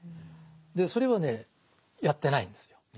でそれはねやってないんですよ。